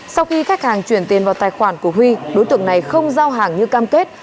sau khi khách hàng chuyển tiền vào tài khoản của huy đối tượng này không giao hàng như cam kết